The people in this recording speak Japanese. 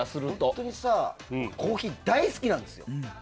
本当にコーヒー大好きなんですよ。